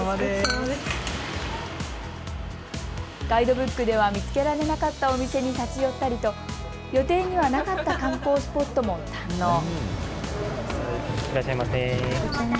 ガイドブックでは見つけられなかったお店に立ち寄ったりと予定にはなかった観光スポットも堪能。